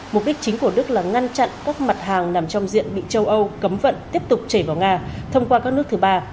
mục đích chính của đức là ngăn chặn các mặt hàng nằm trong diện bị châu âu cấm vận tiếp tục chảy vào nga thông qua các nước thứ ba